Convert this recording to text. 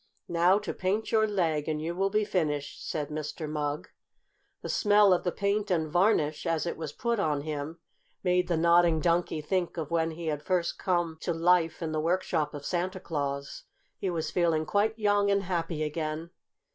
"Now to paint your leg, and you will be finished," said Mr. Mugg. The smell of the paint and varnish, as it was put on him, made the Nodding Donkey think of when he had first come to life in the workshop of Santa Claus. He was feeling quite young and happy again.